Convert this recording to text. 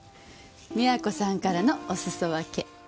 美和子さんからのおすそわけ。